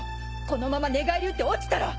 このまま寝返りうって落ちたら。